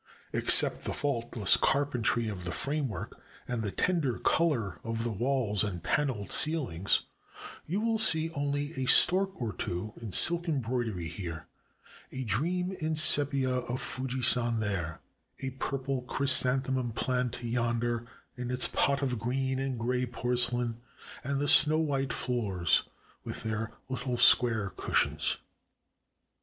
Except the faultless carpentry of the framework and the tender color of the walls and paneled ceiHngs, you will see only a stork or two in silk embroidery here, a dream in sepia of Fuji San there, a purple chrysanthemum plant yonder, in its pot of green and gray porcelain, and the snow white floors with their little square cushions.